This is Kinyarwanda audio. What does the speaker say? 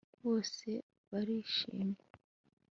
bose barishimye